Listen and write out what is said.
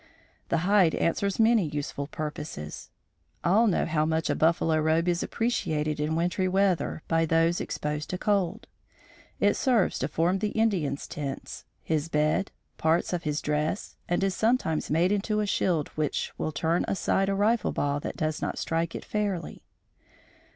The hide answers many useful purposes. All know how much a "buffalo robe" is appreciated in wintry weather by those exposed to cold. It serves to form the Indian's tents, his bed, parts of his dress and is sometimes made into a shield which will turn aside a rifle ball that does not strike it fairly.